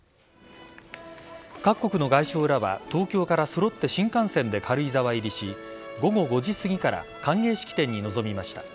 各国の外相らは東京から揃って新幹線で軽井沢入りし午後５時すぎから歓迎式典に臨みました。